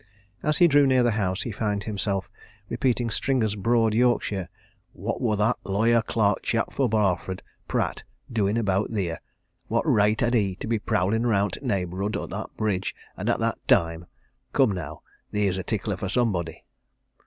As he drew near the house he found himself repeating Stringer's broad Yorkshire "What wor that lawyer clerk chap fro' Barford Pratt doin' about theer? What reight had he to be prowlin' round t' neighbourhood o' that bridge, and at that time? Come, now theer's a tickler for somebody!"